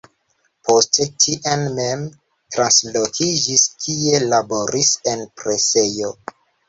Poste tien mem translokiĝis, kie laboris en presejo.